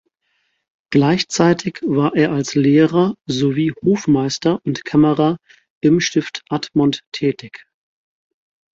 Gleichzeitig war er als Lehrer sowie Hofmeister und Kämmerer im Stift Admont tätig.